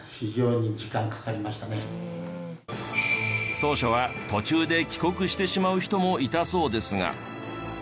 当初は途中で帰国してしまう人もいたそうですが。